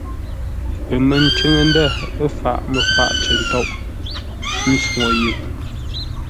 Pəməncʉŋ-ndə̂ faʼ məfaʼ cər ntôʼ, ə́ ntsuŋu yʉʼ.